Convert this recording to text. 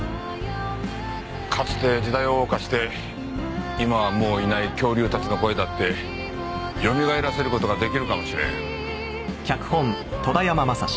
かつて時代を謳歌して今はもういない恐竜たちの声だってよみがえらせる事が出来るかもしれん。